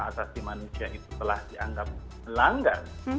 asasi manusia itu telah dianggap melanggar